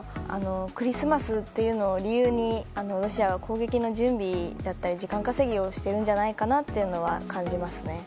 クリスマスというのを理由にロシアは攻撃の準備だったり時間稼ぎをしているんじゃないかと感じますね。